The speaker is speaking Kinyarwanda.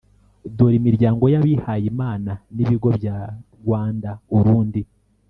Dore imiryango y abihayimana n ibigo bya Ruanda Urundi